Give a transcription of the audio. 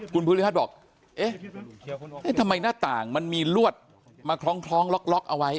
คุณภูริพัฒน์บอกเอ๊ะทำไมหน้าต่างมันมีลวดมาคล้องล็อกเอาไว้